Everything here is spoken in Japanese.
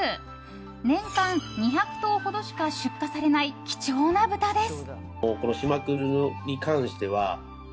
年間２００頭ほどしか出荷されない貴重な豚です。